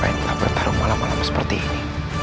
siapa yang pernah bertarung malam malam seperti ini